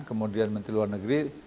kemudian menteri luar negeri